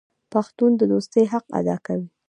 پښتون د دوستۍ حق ادا کوي.